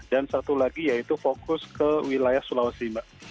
dan satu lagi yaitu fokus ke wilayah sulawesi mbak